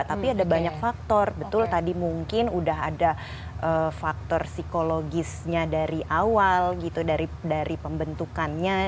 tapi ada banyak faktor betul tadi mungkin udah ada faktor psikologisnya dari awal gitu dari pembentukannya